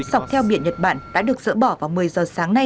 sọc theo biển nhật bản đã được dỡ bỏ vào một mươi giờ sáng nay